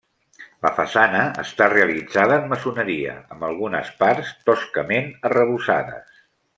La façana està realitzada en maçoneria, amb algunes parts toscament arrebossades.